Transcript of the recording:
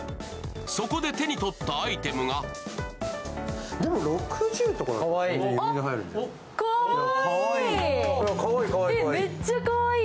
そこで手に取ったアイテムがかわいい。